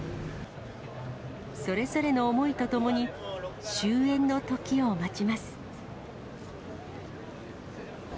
それぞれの思いと共に、終演のときを待ちます。